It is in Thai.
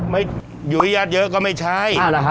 ดีเจนุ้ยสุดจีลา